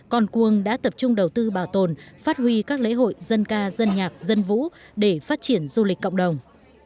con cuông đã tập trung đầu tư bảo tồn phát huy các lễ hội dân ca dân nhạc dân vũ để phát triển du lịch cộng đồng